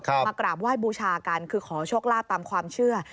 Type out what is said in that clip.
มากราบไหว้บูชากันคือขอโชคลาภตามความเชื่อ